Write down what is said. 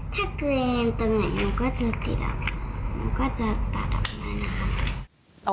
ถ้าเกรงตรงไหนมันก็จะติดอะค่ะมันก็จะตัดออกมานะคะ